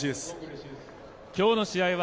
今日の試合は